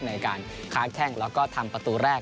ในการค้าแข้งแล้วก็ทำประตูแรก